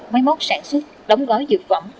máy móc sản xuất đóng gói dược phẩm